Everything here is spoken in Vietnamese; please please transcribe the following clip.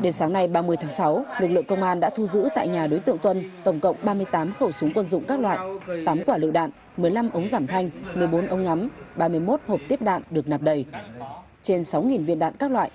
đến sáng nay ba mươi tháng sáu lực lượng công an đã thu giữ tại nhà đối tượng tuân tổng cộng ba mươi tám khẩu súng quân dụng các loại tám quả lựu đạn một mươi năm ống giảm thanh một mươi bốn ống ngắm ba mươi một hộp tiếp đạn được nạp đầy trên sáu viên đạn các loại